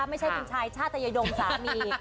ไม่ใช่ชายชาตยโดมสามี